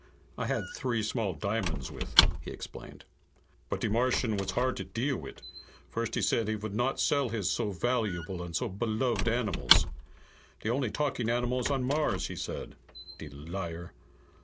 I had three small diamonds with," he explained. "But de Martian was hard to deal wit'. First, he said he vould not sell his so valuable and so beloved animals. De only talking animals on Mars, he said de liar!